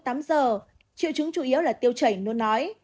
triệu chứng chủ yếu là tiêu chảy nó nói